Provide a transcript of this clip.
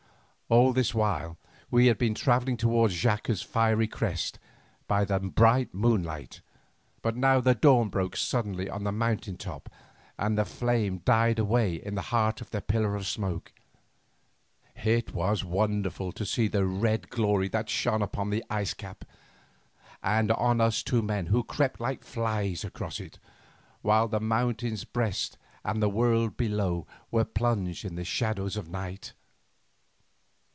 All this while we had been travelling towards Xaca's fiery crest by the bright moonlight, but now the dawn broke suddenly on the mountain top, and the flame died away in the heart of the pillar of smoke. It was wonderful to see the red glory that shone upon the ice cap, and on us two men who crept like flies across it, while the mountain's breast and the world below were plunged in the shadows of night.